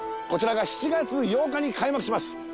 こちらが７月８日に開幕します